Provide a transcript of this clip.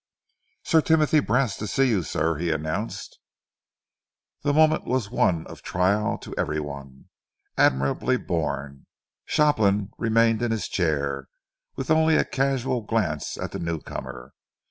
"Sir Timothy Brast to see you, sir," he announced. The moment was one of trial to every one, admirably borne. Shopland remained in his chair, with only a casual glance at the newcomer.